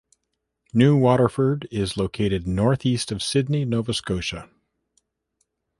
New Waterford is located northeast of Sydney, Nova Scotia.